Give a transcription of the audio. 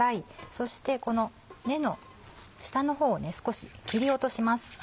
そしてこの根の下の方を少し切り落とします。